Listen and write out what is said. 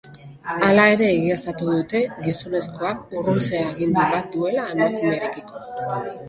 Hala ere, egiaztatu dute gizonezkoak urruntze-agindu bat duela emakumearekiko.